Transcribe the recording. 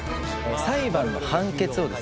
裁判の判決をですね